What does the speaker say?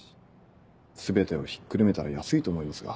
全てをひっくるめたら安いと思いますが。